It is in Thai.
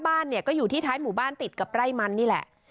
บ้านเนี่ยก็อยู่ที่ท้ายหมู่บ้านติดกับไร่มันนี่แหละ